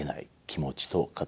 気持ちと型。